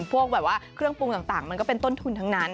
พวกแบบว่าเครื่องปรุงต่างมันก็เป็นต้นทุนทั้งนั้น